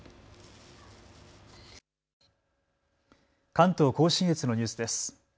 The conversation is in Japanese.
関東甲信越のニュースです。